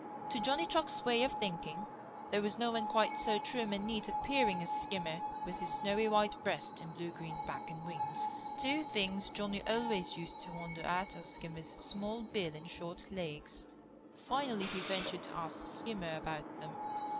To Johnny Chuck's way of thinking, there was no one quite so trim and neat appearing as Skimmer with his snowy white breast and blue green back and wings. Two things Johnny always used to wonder at, Skimmer's small bill and short legs. Finally he ventured to ask Skimmer about them.